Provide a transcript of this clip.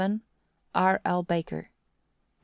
R. L. Baker. 8.